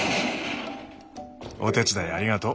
お手伝いありがとう。